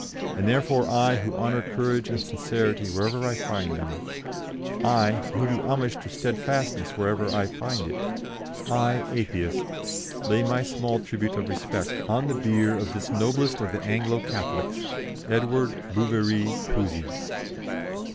And therefore I, who honour courage and sincerity wherever I find them; I, who do homage to steadfastness wherever I find it; I, Atheist, lay my small tribute of respect on the bier of this noblest of the Anglo Catholics, Edward Bouverie Pusey."